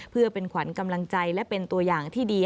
เพื่อเป็นขวัญกำลังใจและเป็นตัวอย่างที่ดี